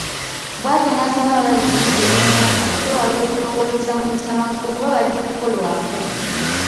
Bw’atyo n’asaba abali ku ludda oluvuganya okwewala okulowooleza mu butabanguko kuba bajja kukolwako.